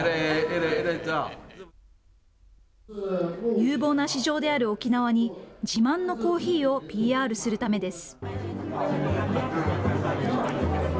有望な市場である沖縄に自慢のコーヒーをＰＲするためです。